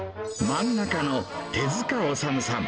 漫画家の手塚治虫さん。